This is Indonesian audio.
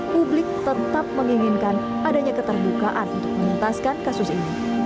publik tetap menginginkan adanya keterbukaan untuk menuntaskan kasus ini